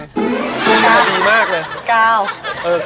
กล้ามงานดีมากเลย